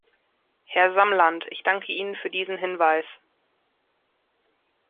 Herr Samland, ich danke Ihnen für diesen Hinweis.